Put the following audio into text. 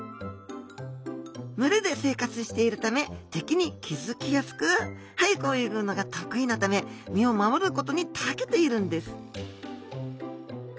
群れで生活しているため敵に気づきやすく速く泳ぐのが得意なため身を守ることにたけているんです